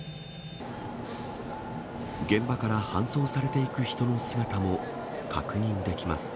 現場から搬送されていく人の姿も確認できます。